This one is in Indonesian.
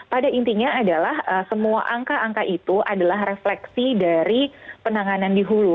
pada intinya adalah semua angka angka itu adalah refleksi dari penanganan di hulu